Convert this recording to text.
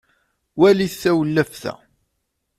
walit tawellaft-a